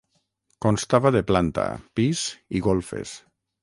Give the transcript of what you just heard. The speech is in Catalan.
Constava de planta, pis i golfes.